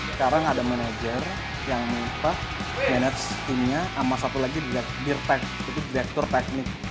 sekarang ada manager yang minta manage teamnya sama satu lagi di diretek itu direktur teknik